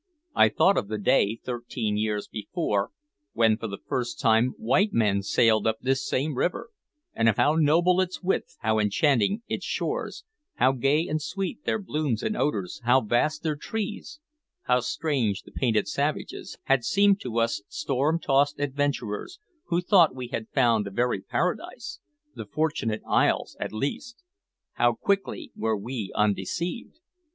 I thought of the day, thirteen years before, when for the first time white men sailed up this same river, and of how noble its width, how enchanting its shores, how gay and sweet their blooms and odors, how vast their trees, how strange the painted savages, had seemed to us, storm tossed adventurers, who thought we had found a very paradise, the Fortunate Isles at least. How quickly were we undeceived!